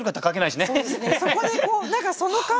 そうですね